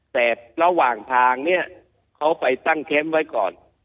แต่ระหว่างทางเนี่ยเขาไปตั้งแคมป์ไว้ก่อน